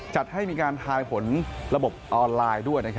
จัดให้มีการทายผลระบบออนไลน์ด้วย